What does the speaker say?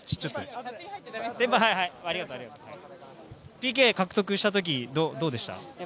ＰＫ獲得した時、どうでした？